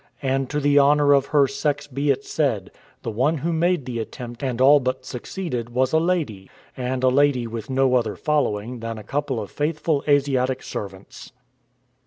And to the honour of her sex be it said, the one who made the attempt and all but succeeded was a lady, and a lady with no other following than a couple of faithful Asiatic servants.